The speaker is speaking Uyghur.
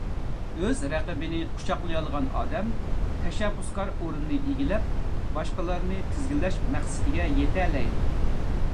ئۆز رەقىبىنى قۇچاقلىيالىغان ئادەم تەشەببۇسكار ئورۇننى ئىگىلەپ باشقىلارنى تىزگىنلەش مەقسىتىگە يېتەلەيدۇ.